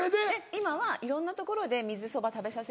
今はいろんなところで水そば食べさせる。